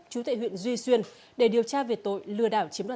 chú tệ huyện duy xuyên để điều tra về tội lừa đảo